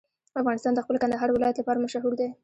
افغانستان د خپل کندهار ولایت لپاره مشهور دی.